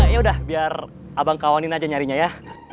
yaudah biar abang kawalin aja nyarinya ya